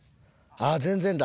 ああ全然だ。